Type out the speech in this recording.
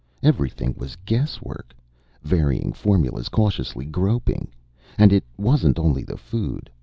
Everything was guesswork, varying formulas cautiously, groping. And it wasn't only the food.